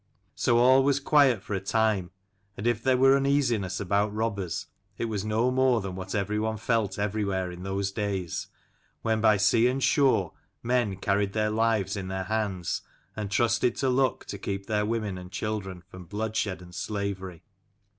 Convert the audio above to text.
So all was quiet for a time, and if there were uneasiness about robbers, it was no more than what everyone felt everywhere in those days, when by sea and shore men carried their lives in their hands, and trusted to luck to keep their women and children from bloodshed and slavery.